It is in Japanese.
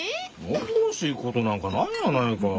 おっとろしいことなんかないやないか。